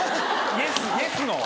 「イエス」の。